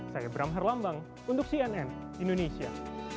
saya bram herlambang untuk cnn indonesia